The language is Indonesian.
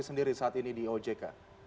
sendiri saat ini di ojk